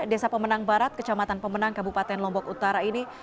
desa pemenang barat kecamatan pemenang kabupaten lombok utara ini